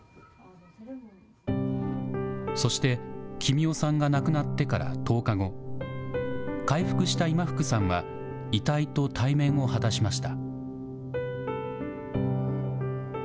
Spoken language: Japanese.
そして、キミヨさんが亡くなってから１０日後、回復した今福さんは、遺体と対面を果たしました。